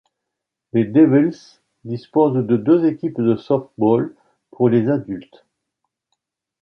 Les Devils disposent de deux équipes de softball pour les adultes.